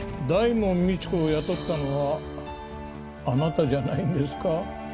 大門未知子を雇ったのはあなたじゃないんですか？